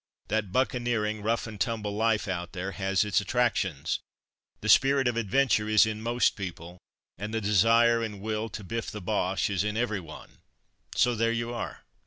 That buccaneering, rough and tumble life out there has its attractions. The spirit of adventure is in most people, and the desire and will to biff the Boches is in every one, so there you are.